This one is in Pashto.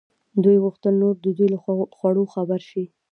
دوی غوښتل نور د دوی له خوړو خبر شي.